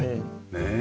ねえ。